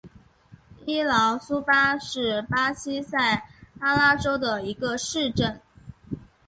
伊劳苏巴是巴西塞阿拉州的一个市镇。